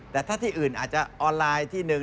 แต่ถ้าที่อื่นอาจจะออนไลน์ที่หนึ่ง